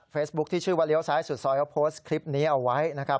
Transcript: ที่ชื่อว่าเลี้ยวซ้ายสุดซอยเขาโพสต์คลิปนี้เอาไว้นะครับ